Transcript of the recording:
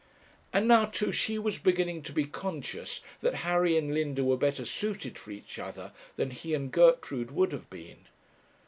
And now, too, she was beginning to be conscious that Harry and Linda were better suited for each other than he and Gertrude would have been.